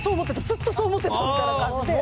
ずっとそう思ってた！」みたいな感じで。